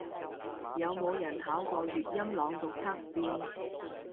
有冇人考過粵音朗讀測試